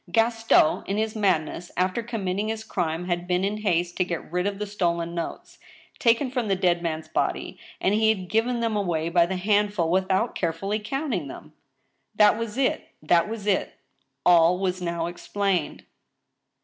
Gaston, in his madness after committing his crime, had been in haste to get rid of the stolen notes, taken from the dead man's body, and he had given them away by the handful without carefully counting them. That was it ! that was it ! All was now explained.